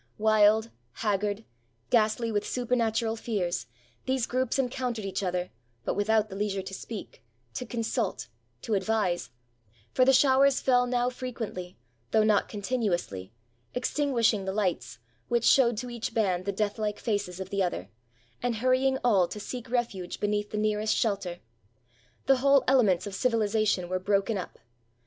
Wild — haggard — ghastly with supernat ural fears, these groups encountered each other, but without the leisure to speak, to consult, to advise; for the showers fell now frequently, though not continu ously, extinguishing the lights, which showed to each band the death hke faces of the other, and hurrying all to seek refuge beneath the nearest shelter. The whole elements of civilization were broken up.